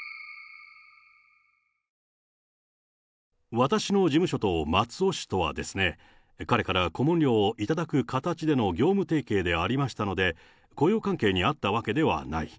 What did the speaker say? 私の事務所と松尾氏とはですね、彼から顧問料を頂く形での業務提携でありましたので、雇用関係にあったわけではない。